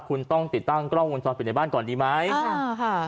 คุณต้องติดตั้งกล้องวงจรปิดในบ้านก่อนดีไหมค่ะ